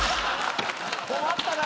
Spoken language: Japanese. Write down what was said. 困ったな！